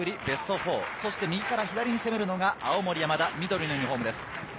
ベスト４、そして右から左に攻めるのが青森山田、緑のユニホームです。